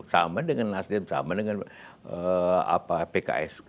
sama dengan nasdem sama dengan pks